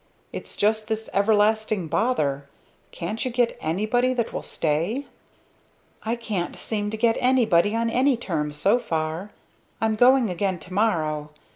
It's just this everlasting bother. Can't you get anybody that will stay?" "I can't seem to get anybody on any terms, so far. I'm going again, to morrow.